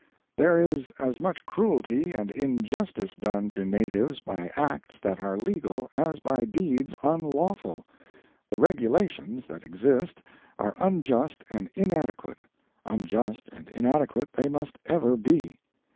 "There is as much cruelty and injustice done to natives by acts that are legal as by deeds unlawful. The regulations that exist are unjust and inadequate unjust and inadequate they must ever be."